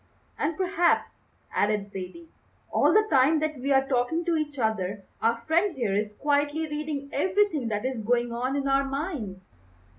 "And perhaps," added Zaidie, "all the time that we are talking to each other our friend here is quietly reading everything that is going on in our minds."